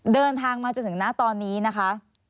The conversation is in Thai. เดินทางมาจนถึงหน้าตอนนี้นะคะ